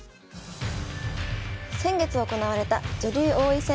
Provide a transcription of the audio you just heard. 先月行われた女流王位戦